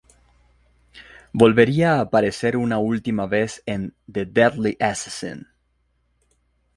Volvería a aparecer una última vez en "The Deadly Assassin".